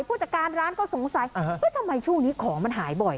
ผู้จัดการร้านก็สงสัยทำไมช่วงนี้ของมันหายบ่อย